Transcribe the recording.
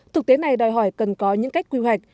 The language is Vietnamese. thực tế này đòi hỏi cần có những cách quy hoạch